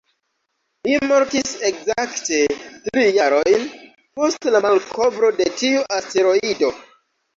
Li mortis ekzakte tri jarojn post la malkovro de tiu asteroido.